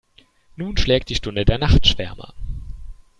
Nun schlägt die Stunde der Nachtschwärmer.